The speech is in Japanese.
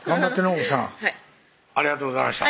奥さんはいありがとうございました